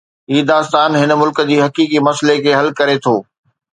هي داستان هن ملڪ جي حقيقي مسئلي کي حل ڪري ٿو.